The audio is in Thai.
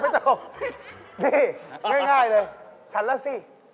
ถะฉันล่ะสิ